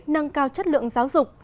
nâng cao chất lượng giáo dục